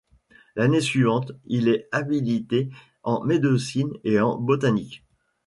L’année suivante, il est habilité en médecine et en botanique.